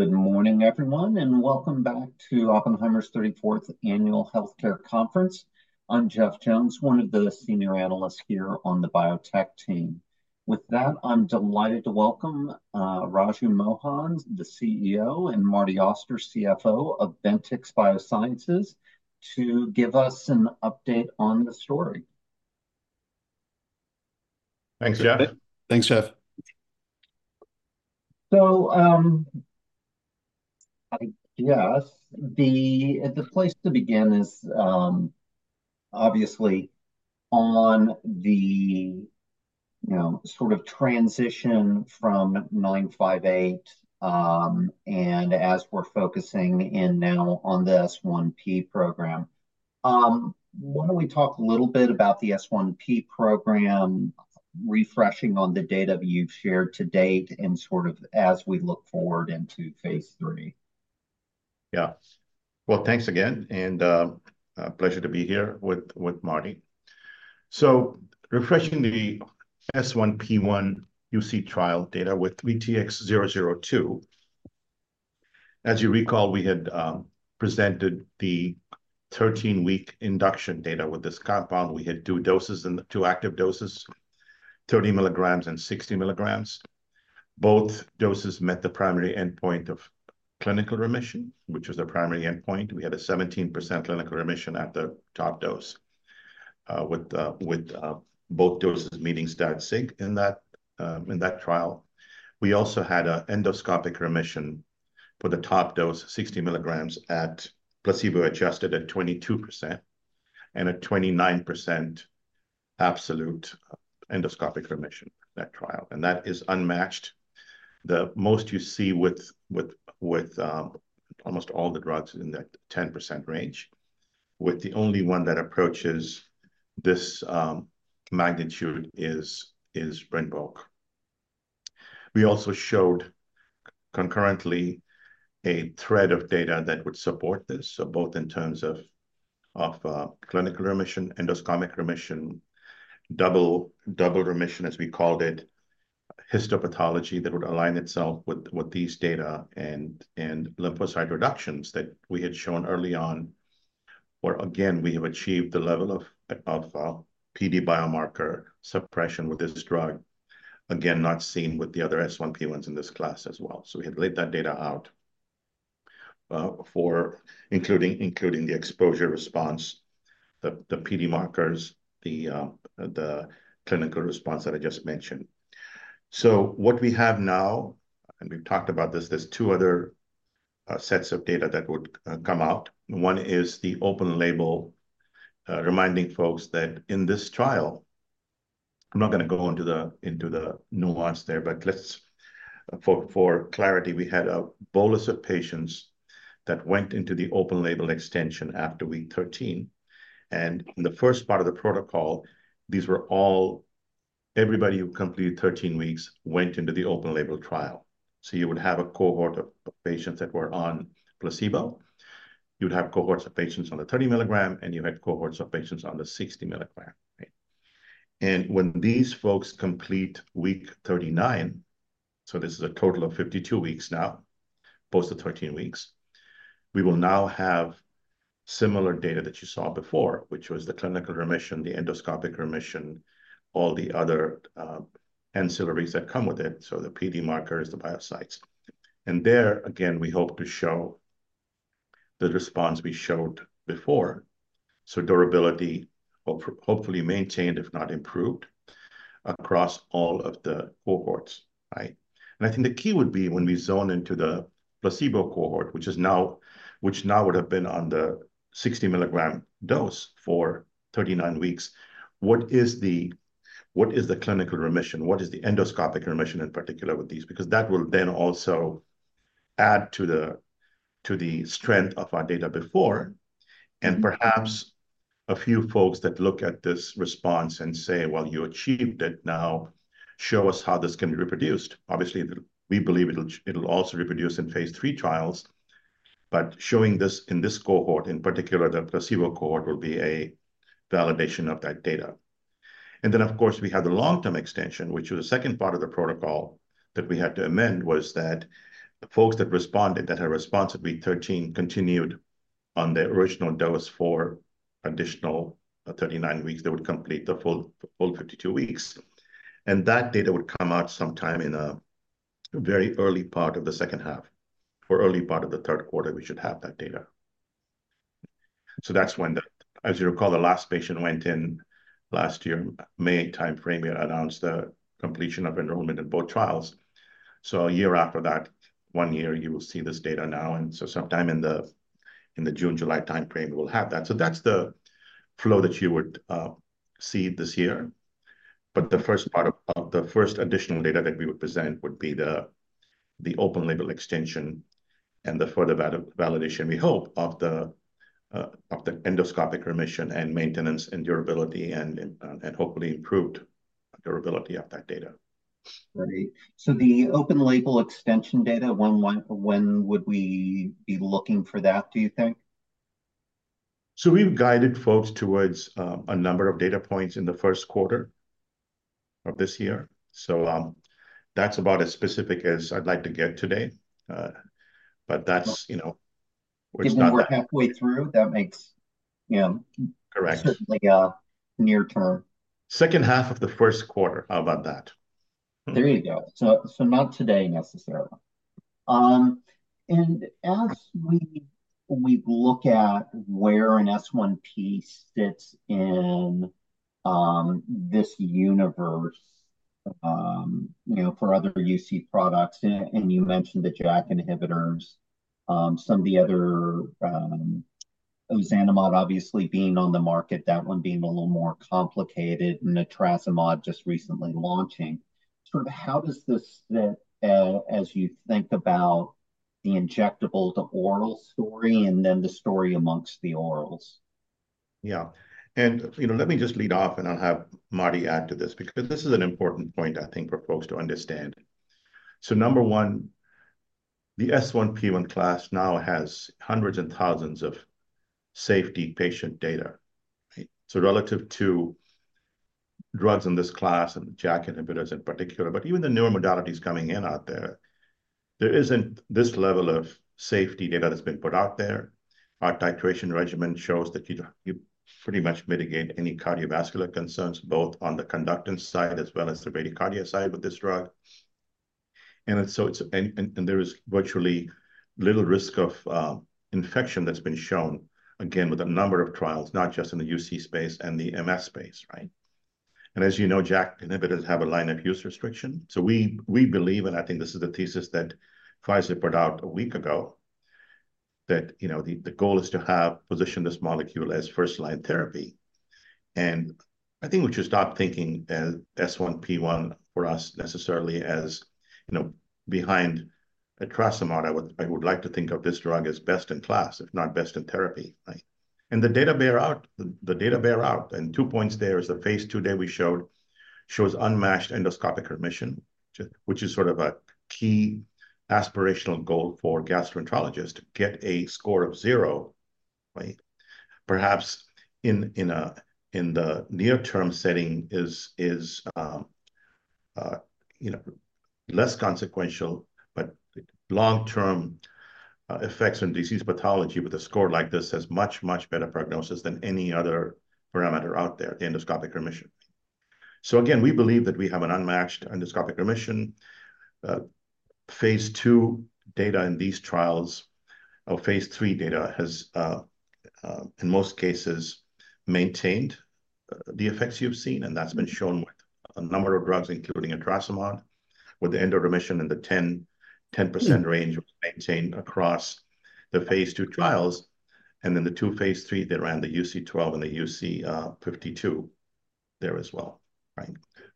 Good morning, everyone, and welcome back to Oppenheimer's 34th Annual Healthcare Conference. I'm Jeff Jones, one of the senior analysts here on the biotech team. With that, I'm delighted to welcome, Raju Mohan, the CEO, and Marty Auster, CFO of Ventyx Biosciences, to give us an update on the story. Thanks, Jeff. Thanks, Jeff. So, I guess the place to begin is, obviously on the, you know, sort of transition from 958, and as we're focusing in now on the S1P program. Why don't we talk a little bit about the S1P program, refreshing on the data you've shared to date and sort of as we look forward into phase III? Yeah. Well, thanks again, and a pleasure to be here with Marty. So, refreshing the S1P1 UC trial data with VTX002. As you recall, we had presented the 13-week induction data with this compound. We had two doses, the two active doses, 30 mg and 60 mg. Both doses met the primary endpoint of clinical remission, which was the primary endpoint. We had a 17% clinical remission at the top dose, with both doses meeting stat sig in that trial. We also had an endoscopic remission for the top dose, 60 mg, at placebo-adjusted 22% and a 29% absolute endoscopic remission in that trial. And that is unmatched. The most you see with almost all the drugs in that 10% range, with the only one that approaches this magnitude is Rinvoq. We also showed concurrently a thread of data that would support this, so both in terms of of clinical remission, endoscopic remission, double remission, as we called it, histopathology that would align itself with these data and lymphocyte reductions that we had shown early on where, again, we have achieved the level of of PD biomarker suppression with this drug, again, not seen with the other S1P1s in this class as well. So we had laid that data out, including the exposure response, the PD markers, the clinical response that I just mentioned. So what we have now, and we've talked about this, there's two other sets of data that would come out. One is the open-label, reminding folks that in this trial I'm not gonna go into the nuance there, but let's, for clarity, we had a bolus of patients that went into the open-label extension after week 13. And in the first part of the protocol, these were all everybody who completed 13 weeks went into the open-label trial. So you would have a cohort of patients that were on placebo. You'd have cohorts of patients on the 30 mg, and you had cohorts of patients on the 60 mg, right? And when these folks complete week 39, so this is a total of 52 weeks now, post the 13 weeks, we will now have similar data that you saw before, which was the clinical remission, the endoscopic remission, all the other ancillaries that come with it. So the PD markers, the biopsies. And there, again, we hope to show the response we showed before, so durability, hopefully maintained, if not improved, across all of the cohorts, right? And I think the key would be when we zone into the placebo cohort, which is now would have been on the 60 mg dose for 39 weeks, what is the clinical remission? What is the endoscopic remission in particular with these? Because that will then also add to the strength of our data before. And perhaps a few folks that look at this response and say, "Well, you achieved it. Now show us how this can be reproduced." Obviously, we believe it'll also reproduce in phase III trials. But showing this in this cohort in particular, the placebo cohort, will be a validation of that data. And then, of course, we have the long-term extension, which was the second part of the protocol that we had to amend, was that folks that responded that had responded week 13 continued on their original dose for additional 39 weeks. They would complete the full, full 52 weeks. And that data would come out sometime in a very early part of the second half or early part of the third quarter. We should have that data. So that's when the, as you recall, the last patient went in last year, May timeframe, we announced the completion of enrollment in both trials. So a year after that, one year, you will see this data now. And so sometime in the June, July timeframe, we will have that. So that's the flow that you would, see this year. But the first part of the first additional data that we would present would be the open-label extension and the further validation, we hope, of the endoscopic remission and maintenance and durability, and hopefully improved durability of that data. Right. So the open-label extension data, when would we be looking for that, do you think? So we've guided folks towards a number of data points in the first quarter of this year. So, that's about as specific as I'd like to get today. But that's, you know, we're just not. If we're halfway through, that makes, you know. Correct. Certainly, near term. Second half of the first quarter. How about that? There you go. So, not today, necessarily. And as we look at where an S1P sits in this universe, you know, for other UC products, and you mentioned the JAK inhibitors, some of the other, ozanimod obviously being on the market, that one being a little more complicated, and etrasimod just recently launching. Sort of how does this fit, as you think about the injectable, the oral story, and then the story amongst the orals? Yeah. And, you know, let me just lead off, and I'll have Marty add to this, because this is an important point, I think, for folks to understand. So number one, the S1P1 class now has hundreds and thousands of safety patient data, right? So relative to drugs in this class and JAK inhibitors in particular, but even the newer modalities coming in out there, there isn't this level of safety data that's been put out there. Our titration regimen shows that you pretty much mitigate any cardiovascular concerns, both on the conductance side as well as the bradycardia side with this drug. And there is virtually little risk of infection that's been shown, again, with a number of trials, not just in the UC space and the MS space, right? And as you know, JAK inhibitors have a line of use restriction. So we believe, and I think this is the thesis that Pfizer put out a week ago, that, you know, the goal is to have position this molecule as first-line therapy. And I think we should stop thinking as S1P1 for us necessarily as, you know, behind etrasimod. I would like to think of this drug as best in class, if not best in therapy, right? And the data bear out. And two points there is the phase II data we showed shows unmatched endoscopic remission, which is sort of a key aspirational goal for gastroenterologists to get a score of zero, right? Perhaps in the near-term setting is, you know, less consequential, but long-term effects on disease pathology with a score like this has much, much better prognosis than any other parameter out there, the endoscopic remission. So again, we believe that we have an unmatched endoscopic remission. Phase II data in these trials of phase III data has, in most cases, maintained the effects you've seen, and that's been shown with a number of drugs, including etrasimod, with the endo remission in the 10% range was maintained across the phase II trials. And then the two phase III that ran the UC12 and the UC52 there as well, right?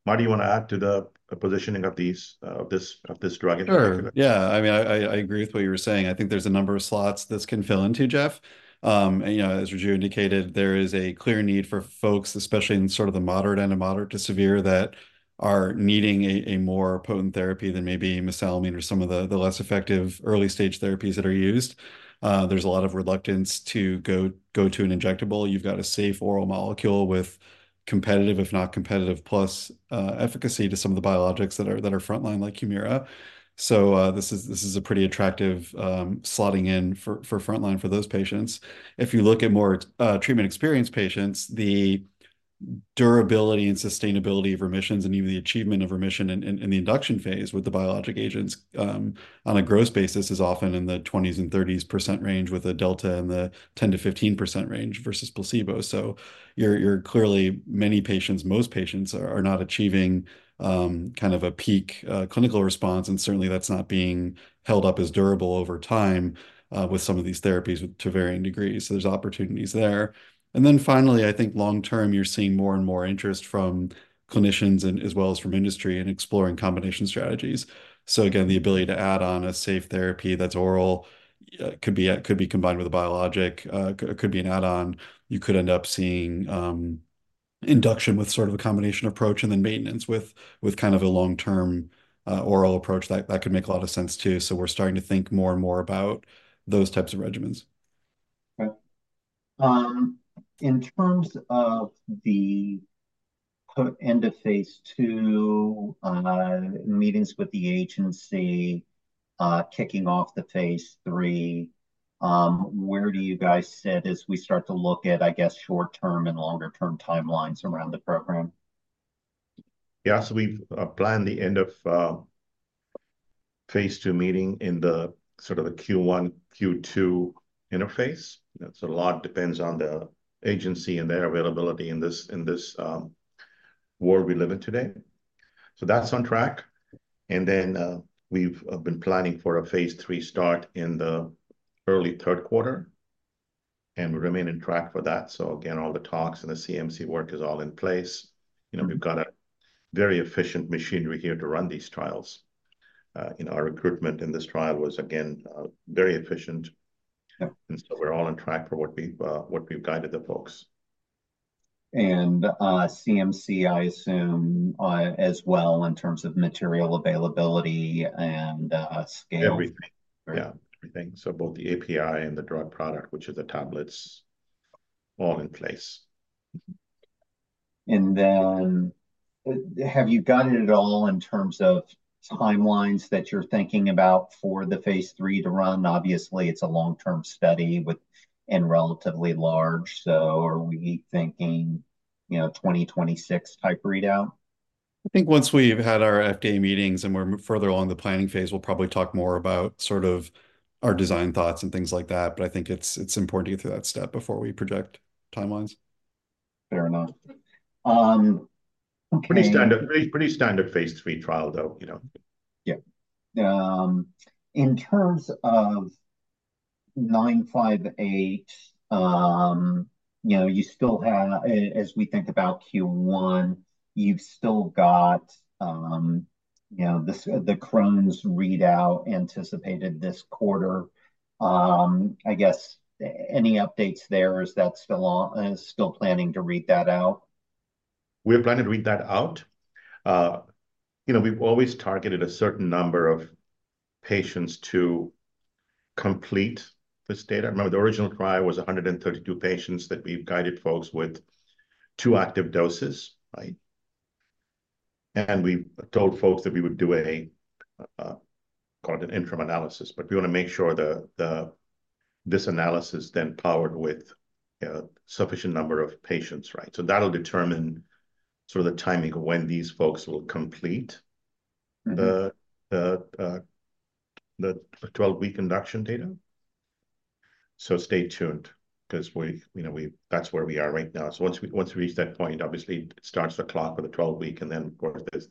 Marty, you want to add to the positioning of this drug in particular? Sure. Yeah. I mean, I agree with what you were saying. I think there's a number of slots this can fill into, Jeff. You know, as Raju indicated, there is a clear need for folks, especially in sort of the moderate and moderate to severe, that are needing a more potent therapy than maybe mesalamine or some of the less effective early-stage therapies that are used. There's a lot of reluctance to go to an injectable. You've got a safe oral molecule with competitive, if not competitive, plus, efficacy to some of the biologics that are frontline, like HUMIRA. So, this is a pretty attractive slotting in for frontline for those patients. If you look at more treatment-experienced patients, the durability and sustainability of remissions and even the achievement of remission in the induction phase with the biologic agents, on a gross basis is often in the 20s% and 30s% range with a delta in the 10%-15% range versus placebo. So you're clearly many patients, most patients are not achieving kind of a peak clinical response. And certainly, that's not being held up as durable over time, with some of these therapies to varying degrees. So there's opportunities there. And then finally, I think long-term, you're seeing more and more interest from clinicians and as well as from industry in exploring combination strategies. So again, the ability to add on a safe therapy that's oral, could be combined with a biologic, could be an add-on. You could end up seeing induction with sort of a combination approach and then maintenance with kind of a long-term, oral approach that could make a lot of sense, too. So we're starting to think more and more about those types of regimens. Okay. In terms of the end-of-phase II meetings with the agency, kicking off the phase III, where do you guys sit as we start to look at, I guess, short-term and longer-term timelines around the program? Yeah. So we've planned the end-of-phase II meeting in the sort of the Q1-Q2 interface. That a lot depends on the agency and their availability in this world we live in today. So that's on track. And then, we've been planning for a phase III start in the early third quarter. And we remain on track for that. So again, all the talks and the CMC work is all in place. You know, we've got a very efficient machinery here to run these trials. You know, our recruitment in this trial was, again, very efficient. And so we're all on track for what we've guided the folks. CMC, I assume, as well in terms of material availability and scale. Everything. Yeah, everything. So both the API and the drug product, which is the tablets, all in place. Then have you guided it all in terms of timelines that you're thinking about for the phase III to run? Obviously, it's a long-term study with and relatively large. Are we thinking, you know, 2026-type readout? I think once we've had our FDA meetings and we're further along the planning phase, we'll probably talk more about sort of our design thoughts and things like that. But I think it's important to get through that step before we project timelines. Fair enough. Okay. Pretty standard phase III trial, though, you know. Yeah. In terms of 958, you know, you still have, as we think about Q1, you've still got, you know, this, the Crohn's readout anticipated this quarter. I guess any updates there? Is that still on, still planning to read that out? We have planned to read that out. You know, we've always targeted a certain number of patients to complete this data. I remember the original trial was 132 patients that we've guided folks with two active doses, right? And we've told folks that we would do a, called an interim analysis. But we want to make sure this analysis then powered with, you know, sufficient number of patients, right? So that'll determine sort of the timing of when these folks will complete the 12-week induction data. So stay tuned, because we, you know, we, that's where we are right now. So once we reach that point, obviously, it starts the clock with the 12-week, and then, of course, there's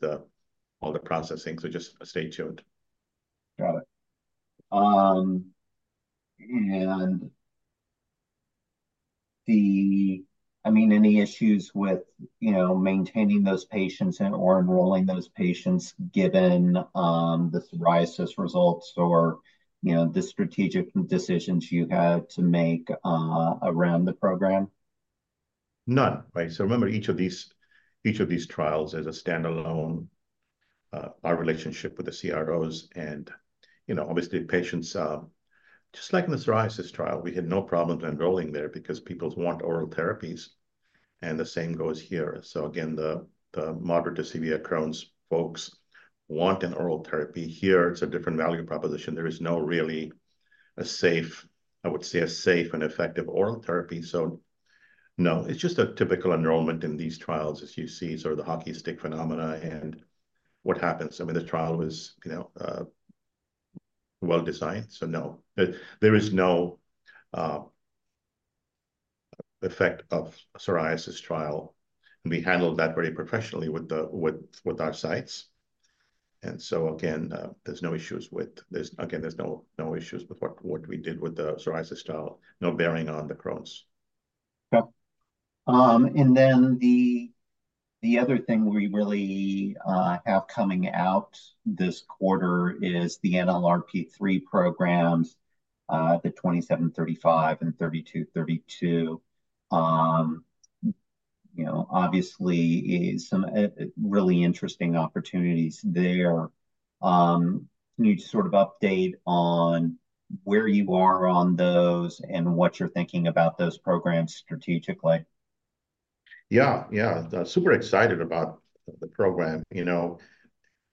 all the processing. So just stay tuned. Got it. I mean, any issues with, you know, maintaining those patients and/or enrolling those patients given the psoriasis results or, you know, the strategic decisions you had to make around the program? None. Right? So remember, each of these trials is a standalone, our relationship with the CROs. And, you know, obviously, patients, just like in the psoriasis trial, we had no problems enrolling there because people want oral therapies. And the same goes here. So again, the moderate to severe Crohn's folks want an oral therapy here. It's a different value proposition. There is no really a safe, I would say, a safe and effective oral therapy. So no, it's just a typical enrollment in these trials, as you see, sort of the hockey stick phenomena. And what happens? I mean, the trial was, you know, well designed. So no, there is no effect of psoriasis trial. And we handled that very professionally with our sites. And so again, there's no issues with what we did with the psoriasis style, no bearing on the Crohn's. Okay. And then the other thing we really have coming out this quarter is the NLRP3 programs, the 2735 and 3232. You know, obviously, some really interesting opportunities there. Can you sort of update on where you are on those and what you're thinking about those programs strategically? Yeah, yeah. Super excited about the program. You know,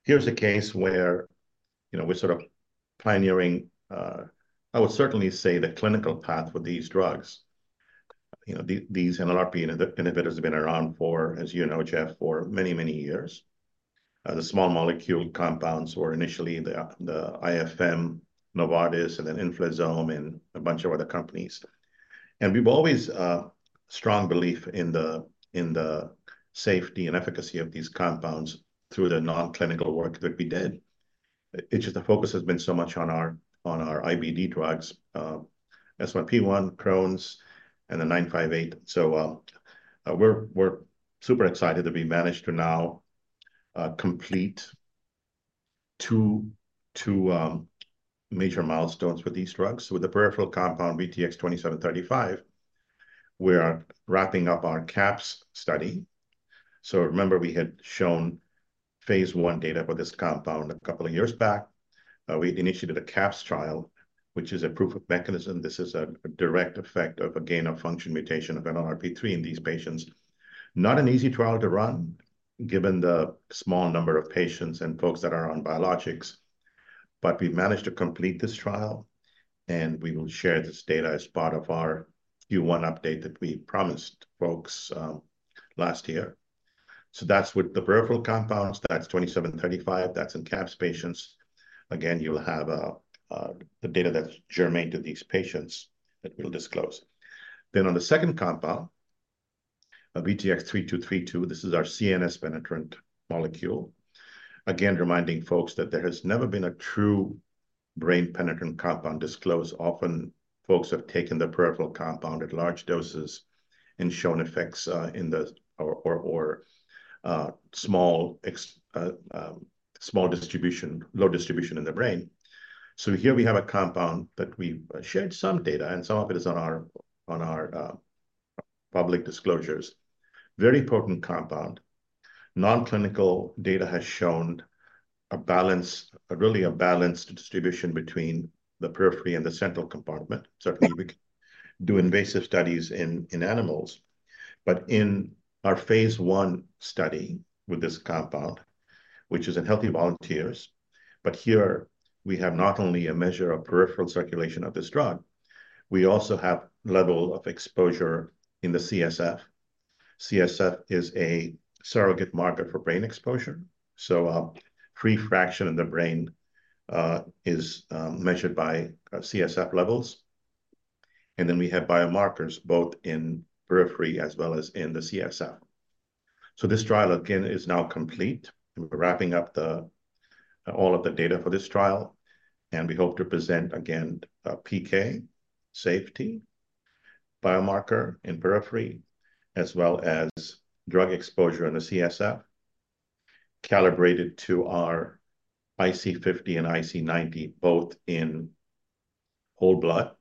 here's a case where, you know, we're sort of pioneering. I would certainly say the clinical path with these drugs. You know, these NLRP3 inhibitors have been around for, as you know, Jeff, for many, many years. The small molecule compounds were initially the IFM, Novartis, and then Inflazome and a bunch of other companies. And we've always strong belief in the safety and efficacy of these compounds through the non-clinical work that we did. It's just the focus has been so much on our IBD drugs, S1P1, Crohn's, and the 958. So, we're super excited that we managed to now complete two major milestones with these drugs. So with the peripheral compound VTX2735, we are wrapping up our CAPS study. So remember, we had shown phase I data for this compound a couple of years back. We initiated a CAPS trial, which is a proof of mechanism. This is a direct effect of a gain of function mutation of NLRP3 in these patients. Not an easy trial to run, given the small number of patients and folks that are on biologics. But we've managed to complete this trial. We will share this data as part of our Q1 update that we promised folks last year. So that's with the peripheral compounds. That's 2735. That's in CAPS patients. Again, you'll have the data that's germane to these patients that we'll disclose. On the second compound, VTX3232, this is our CNS penetrant molecule. Again, reminding folks that there has never been a true brain penetrant compound disclosed. Often, folks have taken the peripheral compound at large doses and shown effects in the order of small distribution, low distribution in the brain. So here we have a compound that we've shared some data, and some of it is on our public disclosures. Very potent compound. Non-clinical data has shown a balance, a really balanced distribution between the periphery and the central compartment. Certainly, we can do invasive studies in animals. But in our phase I study with this compound, which is in healthy volunteers, but here, we have not only a measure of peripheral circulation of this drug, we also have level of exposure in the CSF. CSF is a surrogate marker for brain exposure. So a free fraction in the brain is measured by CSF levels. And then we have biomarkers both in periphery as well as in the CSF. So this trial, again, is now complete. And we're wrapping up all of the data for this trial. And we hope to present, again, a PK safety biomarker in periphery, as well as drug exposure in the CSF, calibrated to our IC50 and IC90, both in whole blood,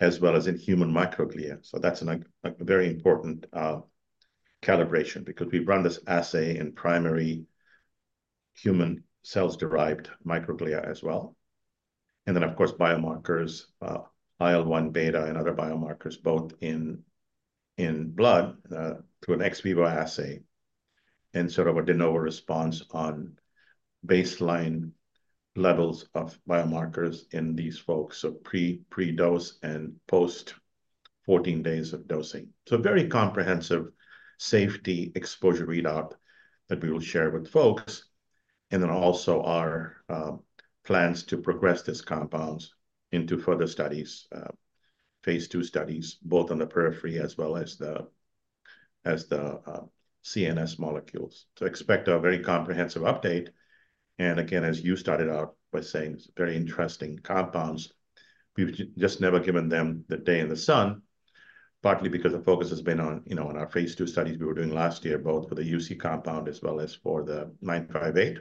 as well as in human microglia. So that's a very important calibration, because we've run this assay in primary human cells-derived microglia as well. And then, of course, biomarkers, IL-1 beta and other biomarkers, both in blood, through an ex vivo assay, and sort of a de novo response on baseline levels of biomarkers in these folks, so pre-dose and post 14 days of dosing. So very comprehensive safety exposure readout that we will share with folks. And then also our plans to progress these compounds into further studies, phase II studies, both on the periphery as well as the CNS molecules. So expect a very comprehensive update. And again, as you started out by saying, it's very interesting compounds. We've just never given them the day in the sun, partly because the focus has been on, you know, on our phase II studies we were doing last year, both for the UC compound as well as for the 958.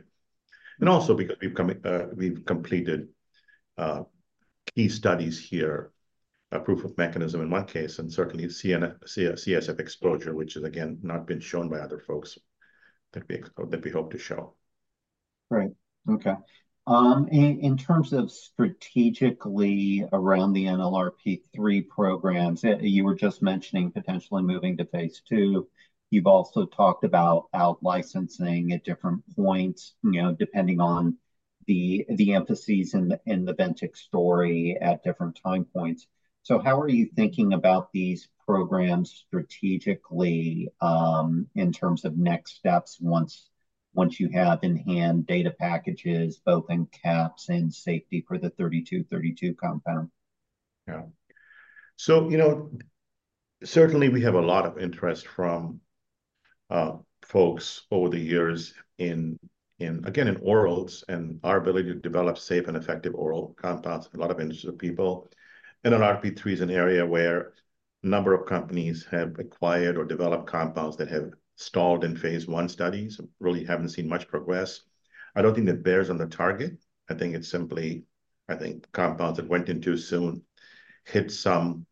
And also because we've completed key studies here, a proof of mechanism in one case, and certainly CNS, CSF exposure, which has again not been shown by other folks that we hope to show. Right. Okay. In terms of strategically around the NLRP3 programs, you were just mentioning potentially moving to phase II. You've also talked about outlicensing at different points, you know, depending on the emphases in the Ventyx story at different time points. So how are you thinking about these programs strategically, in terms of next steps once you have in hand data packages, both in CAPS and safety for the 3232 compound? Yeah. So, you know, certainly we have a lot of interest from folks over the years in orals and our ability to develop safe and effective oral compounds, a lot of interest from people. NLRP3 is an area where a number of companies have acquired or developed compounds that have stalled in phase I studies, really haven't seen much progress. I don't think that bears on the target. I think it's simply, I think, compounds that went in too soon hit some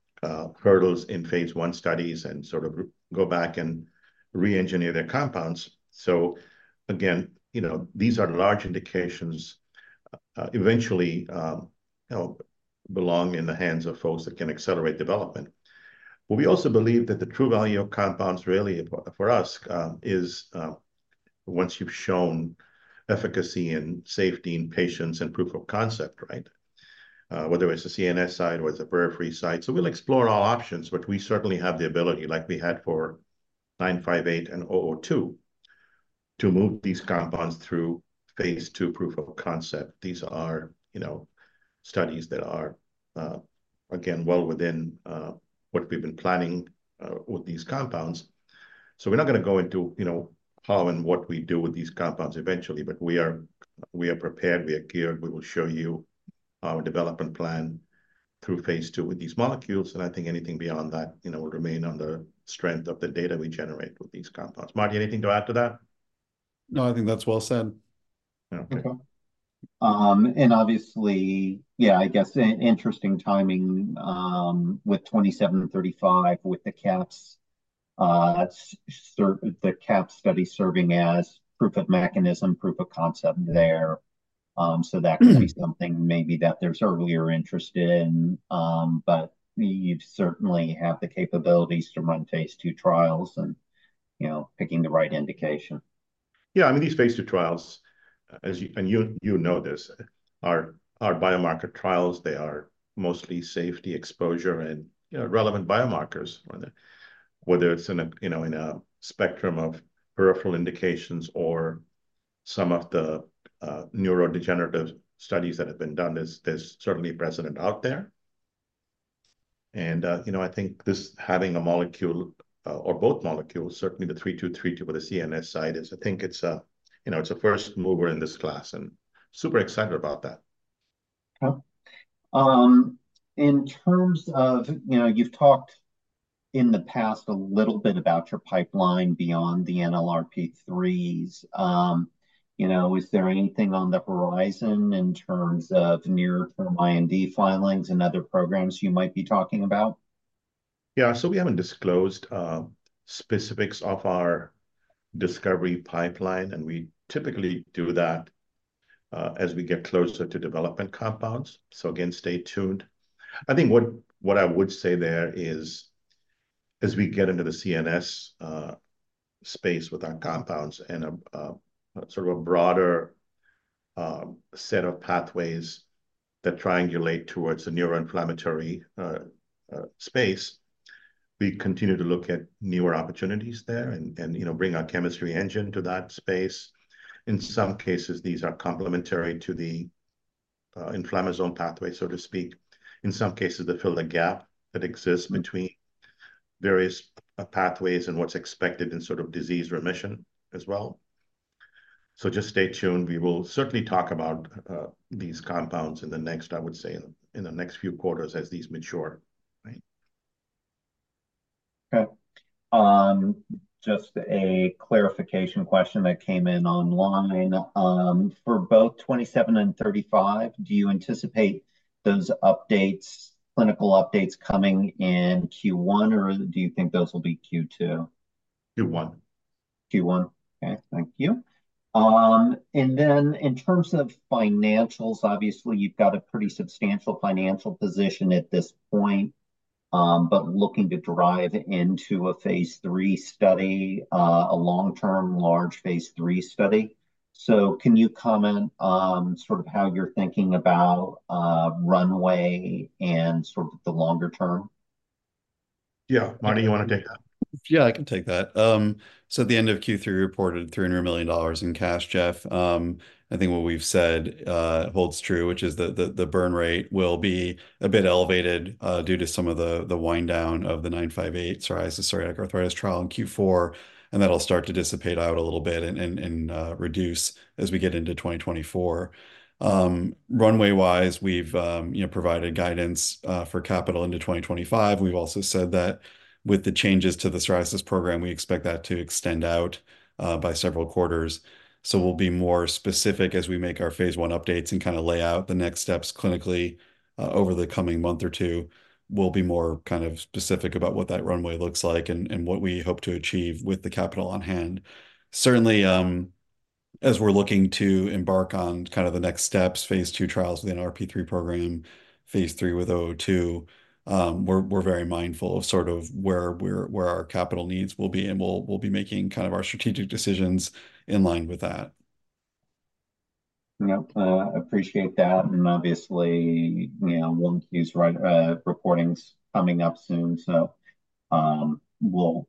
hurdles in phase I studies and sort of go back and reengineer their compounds. So again, you know, these are large indications, eventually, you know, belong in the hands of folks that can accelerate development. But we also believe that the true value of compounds really for us is once you've shown efficacy and safety in patients and proof of concept, right? Whether it's the CNS side or it's the periphery side. So we'll explore all options, but we certainly have the ability, like we had for 958 and 002, to move these compounds through phase II proof of concept. These are, you know, studies that are, again, well within what we've been planning with these compounds. So we're not going to go into, you know, how and what we do with these compounds eventually. But we are prepared. We are geared. We will show you our development plan through phase II with these molecules. And I think anything beyond that, you know, will remain on the strength of the data we generate with these compounds. Marty, anything to add to that? No, I think that's well said. Okay. Okay. And obviously, yeah, I guess interesting timing with VTX2735 with the CAPS, the CAPS study serving as proof of mechanism, proof of concept there. So that could be something maybe that there's earlier interest in. But you certainly have the capabilities to run phase II trials and, you know, picking the right indication. Yeah, I mean, these phase II trials, as you know this, are biomarker trials. They are mostly safety exposure and, you know, relevant biomarkers, whether it's in a, you know, in a spectrum of peripheral indications or some of the neurodegenerative studies that have been done, there's certainly a precedent out there. And, you know, I think this having a molecule or both molecules, certainly the 3232 with the CNS side is I think it's a, you know, it's a first mover in this class and super excited about that. Okay. In terms of, you know, you've talked in the past a little bit about your pipeline beyond the NLRP3s. You know, is there anything on the horizon in terms of near-term IND filings and other programs you might be talking about? Yeah, so we haven't disclosed specifics of our discovery pipeline. We typically do that as we get closer to development compounds. So again, stay tuned. I think what I would say there is, as we get into the CNS space with our compounds and a sort of a broader set of pathways that triangulate towards the neuroinflammatory space, we continue to look at newer opportunities there and, you know, bring our chemistry engine to that space. In some cases, these are complementary to the inflammasome pathway, so to speak. In some cases, they fill the gap that exists between various pathways and what's expected in sort of disease remission as well. So just stay tuned. We will certainly talk about these compounds in the next, I would say, in the next few quarters as these mature, right? Okay. Just a clarification question that came in online. For both 27 and 35, do you anticipate those updates, clinical updates coming in Q1, or do you think those will be Q2? Q1. Okay. Thank you. And then in terms of financials, obviously, you've got a pretty substantial financial position at this point, but looking to drive into a phase III study, a long-term large phase III study. So can you comment sort of how you're thinking about runway and sort of the longer term? Yeah, Marty, you want to take that? Yeah, I can take that. So at the end of Q3, reported $300 million in cash, Jeff. I think what we've said holds true, which is that the burn rate will be a bit elevated due to some of the wind down of the 958 psoriasis psoriatic arthritis trial in Q4. And that'll start to dissipate out a little bit and reduce as we get into 2024. Runway wise, we've, you know, provided guidance for capital into 2025. We've also said that with the changes to the psoriasis program, we expect that to extend out by several quarters. So we'll be more specific as we make our phase I updates and kind of lay out the next steps clinically over the coming month or two. We'll be more kind of specific about what that runway looks like and what we hope to achieve with the capital on hand. Certainly, as we're looking to embark on kind of the next steps, phase II trials with the NLRP3 program, phase III with 002, we're very mindful of sort of where we're and where our capital needs will be and we'll be making kind of our strategic decisions in line with that. Yep. Appreciate that. And obviously, you know, 1Q's reporting's coming up soon. So we'll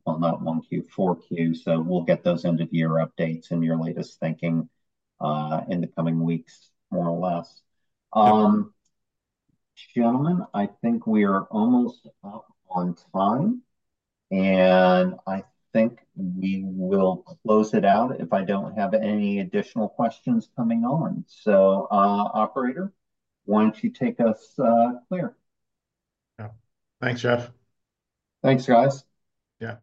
well, not 1Q, 4Q. So we'll get those end-of-year updates and your latest thinking in the coming weeks, more or less. Gentlemen, I think we are almost up on time. And I think we will close it out if I don't have any additional questions coming on. So, operator, why don't you take us clear? Yeah. Thanks, Jeff. Thanks, guys. Yeah.